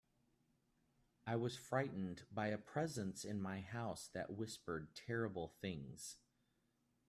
I was frightened by a presence in my house that whispered terrible things.